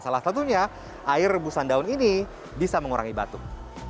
salah satunya air rebusan daun ini bisa mengurangi batuk